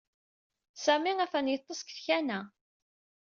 Sami ha-t-an yeṭṭes deg tkanna.